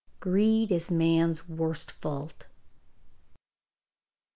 Greed is man's worst fault.